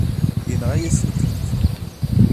Yenɣa-yasent-tent.